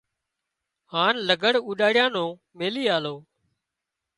هانَ لگھڙ اوڏاڙيا نُون ميلي آليون